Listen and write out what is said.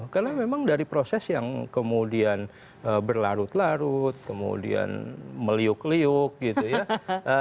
karena memang dari proses yang kemudian berlarut larut kemudian meliuk liuk gitu ya